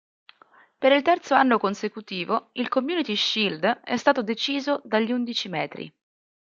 Per il terzo anno consecutivo il Community Shield è stato deciso dagli undici metri.